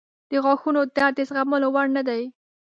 • د غاښونو درد د زغملو وړ نه دی.